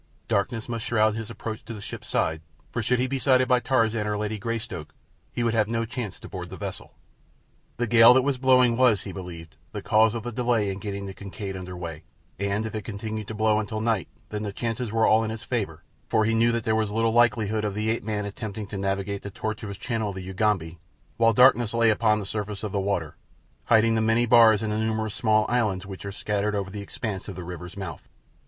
Darkness must shroud his approach to the ship's side, for should he be sighted by Tarzan or Lady Greystoke he would have no chance to board the vessel. The gale that was blowing was, he believed, the cause of the delay in getting the Kincaid under way, and if it continued to blow until night then the chances were all in his favour, for he knew that there was little likelihood of the ape man attempting to navigate the tortuous channel of the Ugambi while darkness lay upon the surface of the water, hiding the many bars and the numerous small islands which are scattered over the expanse of the river's mouth.